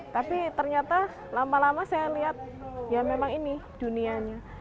tapi ternyata lama lama saya lihat ya memang ini dunianya